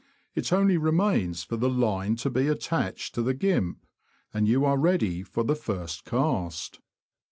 It only remains for the line to be attached to the gimp, and you are ready for the first cast.